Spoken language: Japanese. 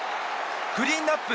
クリーンアップ